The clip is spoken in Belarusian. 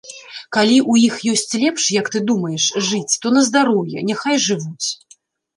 Калі ў іх ёсць лепш, як ты думаеш, жыць, то на здароўе, няхай жывуць.